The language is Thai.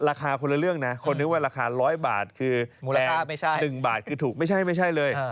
ราคาคนละเรื่องนะคนนึกว่าราคา๑๐๐บาทคือแรง๑บาทคือถูกมูลค่าไม่ใช่